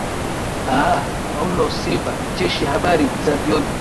aah paulo silva mcheshi habari za jioni